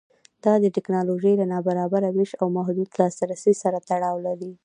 دا د ټکنالوژۍ له نابرابره وېش او محدود لاسرسي سره تړاو لري.